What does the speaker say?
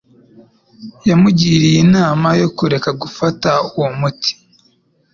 Yamugiriye inama yo kureka gufata uwo muti.